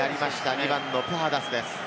２番のプハダスです。